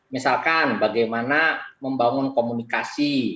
misalkan bagaimana membangun komunikasi